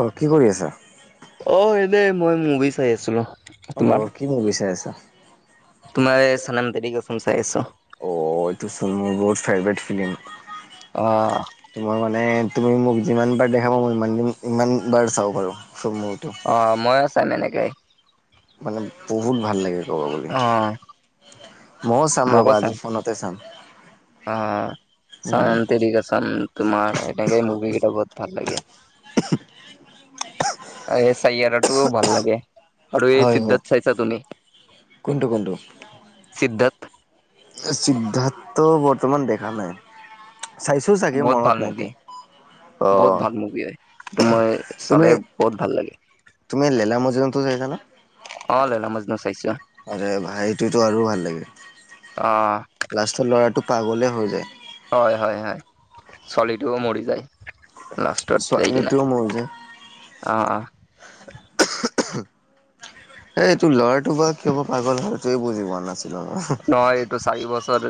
অঁ কি কৰি আছা? অ এনেই মই মুভি চাই আছিলো। অ কি মুভি চাই আছা? তোমাৰে ছানাম তেৰি কচম চাই আছোঁ। অ এইটো [inaudible] মোৰ বহুত ফেভৰেট ফিল্ম। অ। তোমাৰ মানে তুমি মোক যিমান বাৰ দেখাবা মই ইমানিন ইমান বাৰ চাব পাৰোঁ। [inaudible] অ ময়ো ছেম এনেকেই। মানে বহুত ভাল লাগে ক'ব গ'লে, অ [inaudible] মইয়ো চাম ৰ'বা আজি ফোনত। [inaudible] আ ছানাম তেৰি কছম তোমাৰ এনেকে মুভি কেইটা বহুত ভাল লাগে। এ চাইয়াৰা টো ভাল লাগে। আৰু এই হয় হয় সিদ্ধাত চাইছা তুমি কোনটো সিদ্ধাত? সিদ্ধাত বৰ্তমান দেখা নাই। চাইছো চাগে বহুত ভাল মনত নাই মুভি তে। বহুত ভাল মুভি হয় এইটো মই তুমি চালে বহুত ভাল লাগে। তুমি লেলা মাজনো তো চাইছা নে? অ লেলা মাজনো চাইছোঁ। আৰে ভাই [unintelligible] আৰু ভাল লাগে। অঁ। লাষ্টত ল'ৰাটো পাগলে হৈ যায়। হয় হয় হয় ছোৱালীটোও মৰি যায় লাষ্টত যায় কিনে। ছোৱালীটোও মৰি যায় অ অ। এ তোৰ ল'ৰাটো বা কিয় বা পাগল হল সেইটোয়ে বুজি পোৱা নাছিলোঁ। নহয়, এইটো চাৰি বছৰ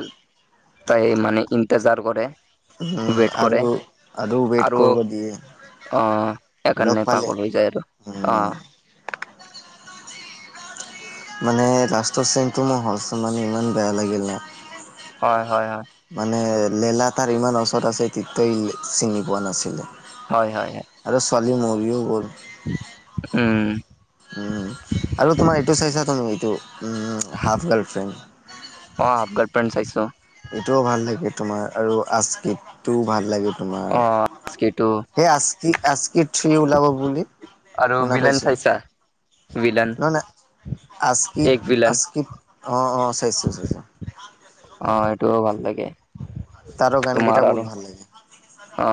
তাই মানে ইন্তেজাৰ কৰে। উম! ৱেইট কৰে আৰু আৰু ৱেট কৰিব দিয়ে। অ, লগ সেইকাৰণে পালে পাগল হৈ যায় আৰু অ। উম মানে, লাষ্টৰ চিনটো মই হ'লচ মানে ইমান বেয়া লাগিল ন। হয়, হয়, হয়। মানে, লেলা তাৰ ইমান ওচৰত আছে তেতিয়াও চিনি পোৱা নাছিলে। হয় হয় হয় আৰু ছোৱালী মৰিও গ'ল। উম! উম, আৰু তোমাৰ এইটো চাইছা তুমি এইটো হাফ গাৰ্লফ্ৰেণ্ড? অ, হাফ গাৰ্লফ্ৰেণ্ড চাইছো। এইটোও ভাল লাগে তোমাৰ, আৰু আস্কিতটোও ভাল লাগে অ তোমাৰ। সেইটো সেই আস্কি, আস্কি থ্ৰী ওলাব বুলি আৰু শুনা ভিলন পাইছো চাইছা? ভিলন! আস্কিত, আস্কিত অ' অ' চাইছোঁ চাইছোঁ। অ, এইটোও ভাল লাগে। তাৰো, তোমাৰ গানকেইটা আৰু বহুত ভাল লাগে। অ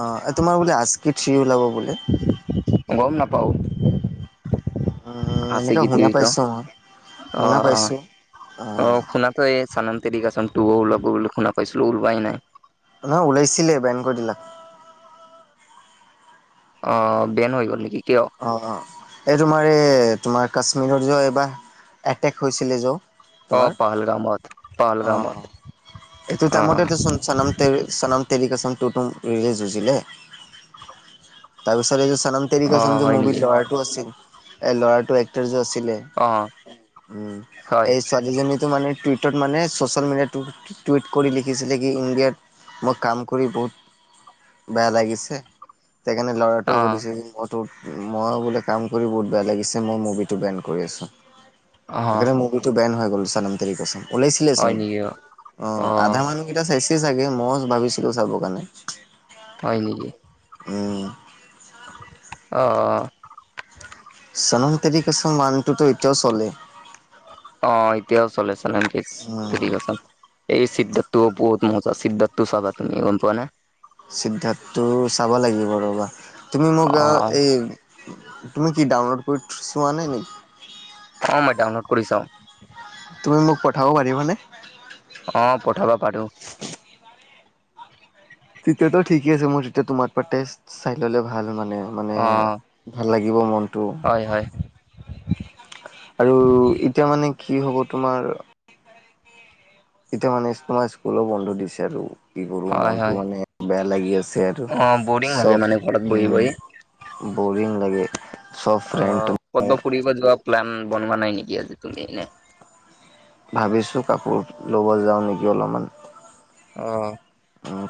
অ' তোমাৰ বোলে আস্কি থ্ৰী ওলাব বোলে? গম নাপাওঁ! উম এনেকে আচিকি শুনা থ্ৰীটো পাইছো মই অ' শুনা অ' পাইছো অ' শুনা ত' এই চনম তেৰি কচম টুও ওলাব বুলি শুনা পাইছিলো, ওলোৱাই নাই। নহয় ওলাইছিলে, বেন কৰি দিলাক। অ' বেন হৈ গ'ল নেকি, কিয়? অ' অ' এই তোমাৰ এই তোমাৰ কাশ্মীৰৰ যে এইবাৰ এটেক হৈছিলে জো। অ' পাহালগামত, পাহালগামত। এইটো টাইমতেতেচোন চনম তেৰি চনম তেৰি কচম টুটো ৰিলিজ হৈছিলে। তাৰ পিছত এই যে চনম তেৰি অ কচম যে হয় মুভিৰ নেকি ল'ৰাটো আছিল এ ল'ৰাটো এক্টাৰ যে আছিলে। অ উম, হয় এই ছোৱালীজনীটো মানে টুইটাৰ মানে চচেল মিডিয়াটো টুইট কৰি লিখিছিলে কি ইণ্ডিয়াত মই কাম কৰি বহুত বেয়া লাগিছে, সেইকাৰণে ল'ৰাটোও অ', কৰিছে। ত' মই বোলে কাম কৰি বহুত বেয়া লাগিছে! মই মুভিটো বেন কৰি আছোঁ। অ', সেইকাৰণে মুভিটো বেন হৈ গল চনম তেৰি কচম, হয় ওলাইছিলেচোন। নেকি অ' আধা মানুহ কেইটা চাইছে চাগে, মই ভাবিছিলো চাবৰ কাৰণে। হয় নিকি? উম, অ', অ'। চনম তেৰি কচম ৱানটোতো এতিয়াও চলে। অ' এতিয়াও চলে চনম [unintelligible] উম, তেৰি কচম। এই সিদ্ধাৰ্থটোও বহুত মজা, সিদ্ধাৰ্থটো চাবা তুমি গম পোৱা নে? সিদ্ধাৰ্থটোও চাবা লাগিব ৰ'বা! তুমি মোক অ', এই তুমি কি ডাউনলোড কৰি চোৱা নাই নি? অ, মই ডাউনলোড কৰি চাওঁ। তুমি, মোক পঠাব পাৰিবানে? অ, পঠাব পাৰোঁ। তেতিয়াতো ঠিকে আছে, মোৰ তেতিয়া তোমাৰ টেষ্ট চাই ললে ভাল মানে। মানে অ', ভাল লাগিব মনটোও। হয়, হয়, আৰু এতিয়া মানে কি হ'ব তোমাৰ। এতিয়া মানে তোমাৰ স্কুলো বন্ধ দিছে আৰু। কি কৰো হয়, মনটো হয় মানে বেয়া লাগি আছে আৰু। অ', বৰিং লাগে চব মানে ঘৰত বহি উম, বহি বৰিং লাগে। চব ফ্ৰেণ্ড অ' ক'তো ফুৰিব যোৱা প্লান বনোৱা নাই নেকি আজি তুমি এনে? ভাবিছোঁ কাপোৰ ল'ব যাওঁ নেকি অলপমান। অ',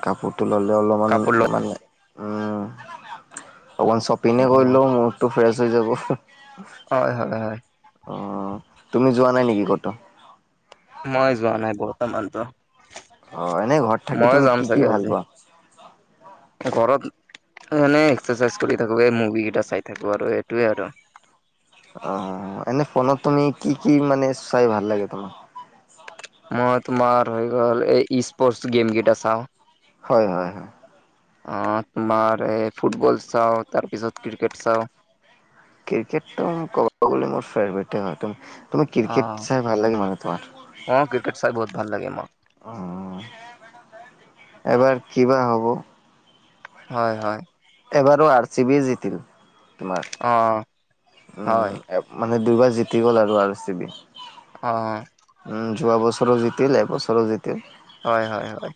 কাপোৰটো ল'লে অলপমান কাপোৰ ল মানে উম অকণমান চব। পিনে অ', কৰিলেও মুডটো ফ্ৰেছ হৈ যাব। অ' হয়, হয়, হয় তুমি যোৱা নাই নেকি কতো? মই যোৱা নাই বৰ্তমানটো। অ' এনেই ঘৰত থাকি তুমি চাগে কি-কি ভাল আজি পোৱা? [inaudible] ঘৰত মানে এক্সাৰচাইজ কৰি থাকো এই মুভি কেইটা চাই থাকো আৰু এইটোয়ে আৰু। অ, এনে ফোনত তুমি কি কি মানে চাই ভাল লাগে তোমাক? মই তোমাৰ হৈ গল ই স্প'ৰ্টছ গেম গিতা চাও। হয়-হয়-হয়। অ, তোমাৰ এ ফুটবল চাও, তাৰপিছত ক্ৰিকেট চাও। ক্ৰিকেটটো কবলে গলে মোৰ ফেভটদ হয়। তুমাৰ ক্ৰিকেট অ' চাই ভাল লাগে মানে তোমাৰ। অ' ক্ৰিকেট চাই বহুত ভাল লাগে মোৰ অ, এবাৰ কিবা হব? হয়-হয়। এবাৰো আৰ চি বি জিতি তোমাৰ। অ' হয়। উম, মানে দুইবাৰ জতি গ'ল আৰু আৰু আৰ চি বি। অ', যোৱা বছৰো জিতিল, এবছৰো জিতিল। হয়-হয়-হয়,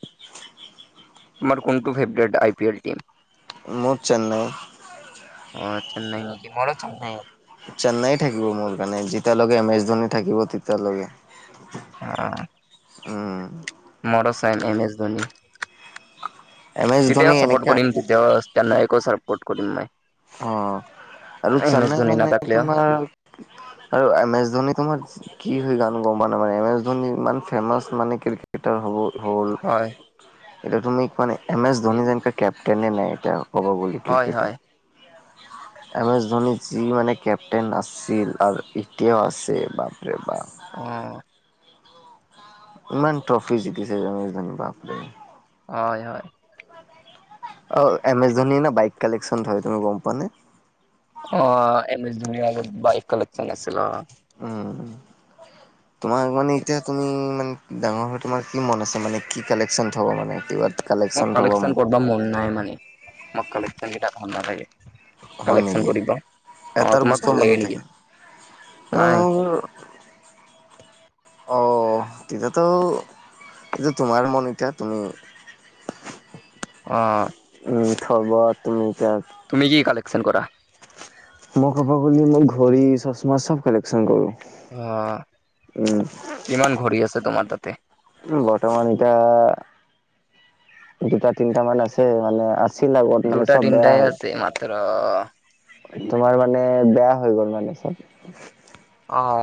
তোমাৰ কোনটো favourite I P L team. মোৰ চেন্নাই। অ, চেন্নাই নেকি মোৰোঁ চেন্নাই। চেন্নাই থাকিব মোৰ কাৰণে যেতিয়াল লগে এম এছ ধোনী থাকিব তেতিয়ালৈকে। অ', উম। মৰ চন M S Dhoni M S Dhoni তেতিয়াও চাপৰ্ট এনেকা কৰিম। তেছে একো চাপ'ৰ্ট কৰিম মই। অ আৰু এম এছ চেন্নাই ধনী মানে নাথাকিলেও তোমাৰ আৰু এম এছ ধোনী তোমাৰ কি হৈ গান গম পানাই মানে এম এছ ধোনি ইমান ফেমাচ মানে ক্ৰিকেটাৰ হব হ'ল। হয় এতি তুমি মানে এম এছ ধোনী যেনে কেপটেনেে নাই এটা ক'ব বুলি হয় ক্ৰিকেট। হয় [inaudible] এম এছ ধোনী যি মানে কেপটেইন আছিল আৰু এতিয়াও আছে বাপৰে বাপ। অ', ইমান ট্ৰফি জিকিছে এম এছ ধনী বাপৰে। হয়-হয়। অ, এম এছ ধোনী না বাইক কালেকশচন ধ হয় তুমি গম পোৱা নে? অ, এম এছ ধনী আগত বাইক কলক চ ন আছিল। উম। [inaudible] তোমাক মানে এতিয়া তুমি মানে ডাঙৰ হৈ তোমাৰ কি মন আছে মানে কি কালেকশ্যন থ'ব মানে কিবা মোক কালেকশ্যন থ'ব কালেকচ্যন কৰিব মন নাই মানে মোক কালেকচ্যন কেইটা ভাল নালাগে হয় কালেকচন নেকি? কৰিবা, অ তোমাক লাগে নেকি? নাই ওম। অ, তেতিয়াতো যে তোমাৰ মন এতিয়া তুমি [inaudible] ওম। উম হব তুমি তাক। তুমি কি কালেকশ্যন কৰা? মই ক'ব গ'লে মই ঘড়ী চচমা চব কালেকশচন কৰো। অ, কিমান ঘড়ী আছে তোমাৰ তাতে? উম বৰ্তমান এতিয়া দুটা তিনটা মান আছে মানে আছ চছিল আগত মানে চব বেয়া হৈ ত ৰ তোমাৰ মানে বেয়া হৈ গ'ল মানে চব। অঁ।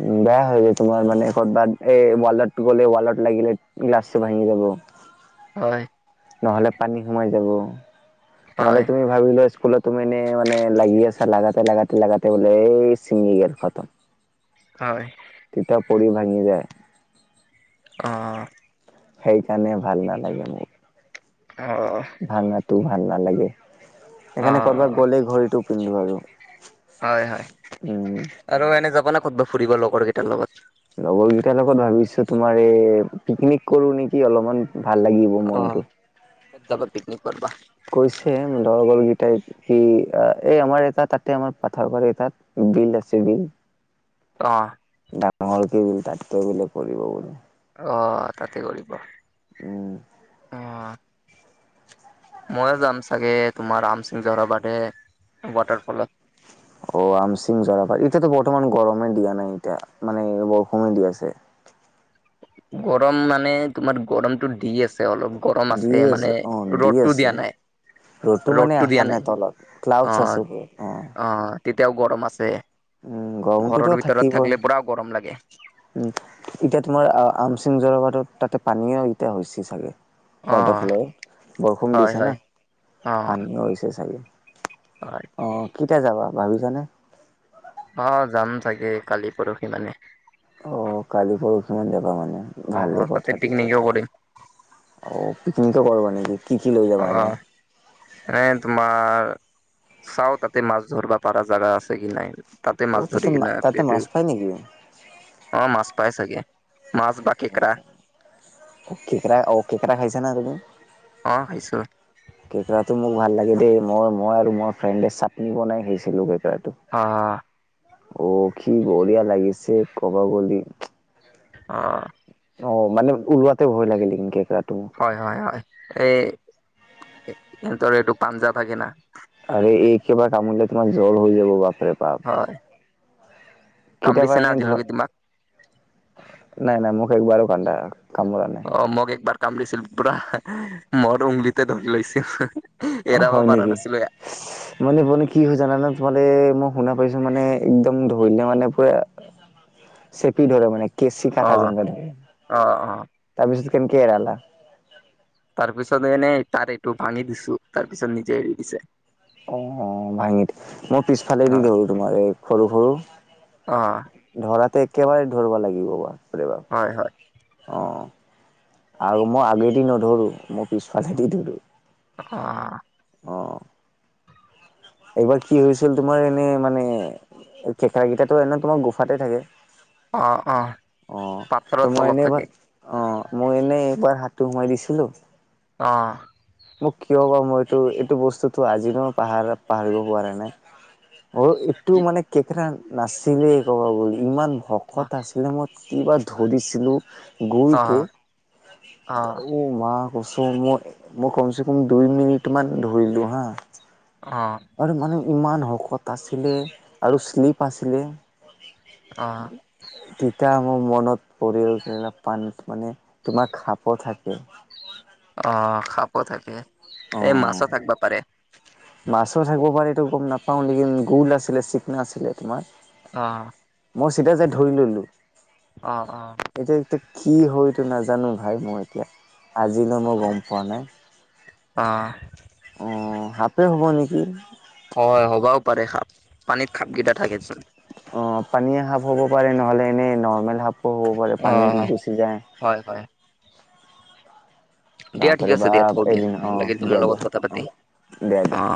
উম, বেয়া হৈ গ'ল তোমাৰ মানে কৰ'বাত এই ৱালত গ'লে ৱালত লাগিলে গ্লাছটো ভাঙি যাব। হয়। নহলে পানী সোমাই যাব, নহলে হয় তুমি ভাবিলো স্কুলত তুমি এনেই মানে লাগি আছা, লাগাতে লাগাতে লাগাতে বোলে এই চিঙি গল খতম। হয়। তেতিতা পৰি ভাঙি যায়। অঁ'অঁ। সেইকাৰণে, ভাল নালাগে মোৰ। অ'অ' অ'। ভাঙাটো ভাল নালাগে। অ সেইকাৰণে কৰ'বাত গ'লেই ঘড়ীটো পিন্ধো আৰু। হয় হয়, উম। আৰু এনে যাবা নে ক'তবাত ফুৰিব লগৰ কেইটাৰ লগত? লগৰ কেইটাৰ লগত ভাবিছো তোমাৰ এ পিকনিক কৰো নেকি অলপমান ভাল লাগিব মনটো। তাপা পিকনিক কত বা? কৈছে লগৰ কেইটাইত সি এই আমাৰ এটা তাতে আমাৰ পথাৰ বাৰি এ তাত বিল আছে বিল। অহ। ডাত নহল কি বুলি তাতকৈ বোলে কৰিব বুলি। অ', তাকে কৰিব। উম ময়ে যাম চাগে, তোমাৰ ৰামসিং জহৰাবাদে ৱাটাৰ ফলত। অ', আমচিং জৰাবাৰ ইতিয়াতো বৰ্তমান গৰমে দিয়া নাই ইতিয়া মানে বৰষুনে দিয়া আছে। গৰম মানে তোমাৰ গৰমতটো দি আছে অলপ। গৰম দি আছে মানে অ দি ৰ'দটো আছে দিয়া নাই। ৰ'দটো মানে অহা নাই তলত, অ ক্লাউডছ আছে ওম অ। তেতিয়াও গৰম আছে, উম ঘৰৰ গৰমটোতো ভিতৰত থাকিবই থাকিলে পুৰা গৰম লাগে। উম, এতিয়া তোমাৰ আমচিং জৰবাতত তাতে পানীও এতিয়া হৈছে চাগে। অ ৱাটাৰ ফ্ল'ৰ বৰষুন হয় দিছে হয় ন। অ পানী হৈছে চাগে হয় অ', কেতিয়া যাবা ভাবিছানে? অ', যাম চাগে কালি পৰহি মানে। অ', কালি পৰহিমান যাবা মানে অ ভাল তাতে কথা দিতি। পিকনিকো অ', কৰিম পিকনিকো কৰা নেকি কি কি লৈ অ যাবা এনে? এনে তোমাৰ চাও তাতে মাছ ধৰিবা পাৰা জাগা আছে কি নাই। তাতে অ মাছ ধৰি কি না তাতে পেটে। মাছ পাই নেকি? অ', মাছ পাই চাগে মাছ বা কেকৰা। কেকেৰা অঁ কেকেৰা খাইছে না তুমি? অ', খাইচো। কেকৰাটো মোক ভাল লাগে দেই মই মই আৰু মোৰ ফ্ৰেণ্ডে চাটনি বনাই শিছিলোঁ কেকৰাটোত। অ'। অ', কি বঢ়িয়া লাগিছে কবা গলি। অ'। অ', মানে ওলোৱাতে ভয় লাগিলে কিন্তু কেকৰাটো। হয় হয় হয় এই সিহঁতৰ এইটো পাঞ্জাৱ থাকে না। আৰু এই কেইবা কামৰিলে তোমাৰ জ্বৰ হৈ যাব বাপে। হয়। কেতিয়াবা কামৰিছে না এনেই ধৰ আজিলৈকে তোমাক নাই নাই মোক একবাৰো কান্দা কামোৰা নাই। অ মোক একবাৰ কামৰিছিল পুৰা মৰ উংলিতে ধৰি লৈছিল। অ', এৰাব হয় পৰা নেকি? নাছিলো মানে মানে কি হয় জানান তোমালে মই শুনা পাইছো মানে একদম ধৰিলে মানে পুৰা [unintelligible] চেপি ধৰে মানে কেচি অ কটা যেন ধ অ অ তাৰপিছত কেনকে এৰালা? তাৰপিছত এনেই তাৰ এইটো ভাঙি দিছো তাৰ পিছত নিজে এৰি দিছে। অঁ, অঁ ভাঙিত মই পিছফালে অ দি ধৰো তোমাৰ এই সৰু- সৰু। অঁ। ধৰাতে একেবাৰে ধৰিব লাগিব বা বাপ্ৰে বাপ। হয় হয়। অঁ, আৰু মই আগেদি নধৰো মই পিছফালেদি ধৰো। অঁ। অ' এইবাৰ কি হৈছিল তোমাৰ এনে মানে এই কেকৰাকেইটাতটো এনে তোমাৰ গোফাতে থাকে। অ অ অঁ, তো পাথৰত মই তলত এনেই ভ থাকে অঁ, মই এনেই এইবাৰ হাতটো সোমাই দিছিলো। অঁ। মোক কিয় বা মই এইটো এইটো বস্তুতটো আজিলৈ পাহাৰ পাহৰিব পৰা নাই। অ এইটো কি মানে কেকেৰা নাছিলেই ক'ব গলে ইমান অ শকত আছিলে মই কিবা ধৰিছিলো অ গুলকে অ মা চ মই মই কমচে কম দুই মিনিটমান ধৰিলোঁ হা। অঁ। আৰু মানে ইমান শকত আছিলে আৰু শ্লিপ আছিলে। অঁ। তেতিয়া মোৰ মনত পৰিল পানীত মানে তোমাৰ খাপও থাকে। অ খাপো থাকে। এই মাছো অঁ। থাকিব পাৰে মাছো থাকিব পাৰে গম নাপাওঁ লেকিন গোল আছিলে চিকনা আছিলে তোমাৰ। অ মই চিধা যায় ধৰি ললোঁ। অ অ এতিয়া এতিয়া কি হয় এইটো নাজানো ভাই মই এতিয়া আজিলৈ মই গম পোৱা নাই অঁহ। অঁ সাপে হ'ব নেকি। হয় হবাও পাৰে সাপ পানীত সাপকেইটা থাকেচোন অঁ পানীয়ে সাপ হ'ব পাৰে নহ'লে এনেই নৰ্মেল সাপো হ'ব পাৰে পানীত অ', গুচি যায়। হয় হয়। দিয়া ঠিক বাপৰে আছে দিয়া বাপ থওঁ দিয়া, এদিন অ ভাল লাগিল তোমাৰ দিয়া লগত দিয়া কথা পাতি, অ দিয়া দিয়া। অ'।